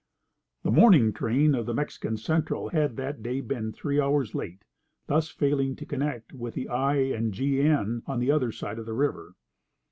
The morning train of the Mexican Central had that day been three hours late, thus failing to connect with the I. & G.N. on the other side of the river.